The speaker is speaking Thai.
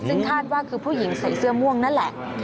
ซึ่งคาดว่าคือผู้หญิงใส่เสื้อม่วงนั่นแหละ